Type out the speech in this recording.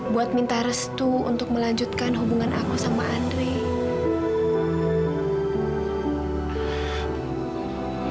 buat minta restu untuk melanjutkan hubungan aku sama andre